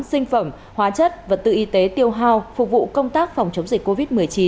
sinh phẩm hóa chất và tự y tế tiêu hào phục vụ công tác phòng chống dịch covid một mươi chín